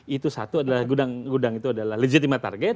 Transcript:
itu satu adalah gudang gudang itu adalah legitimate target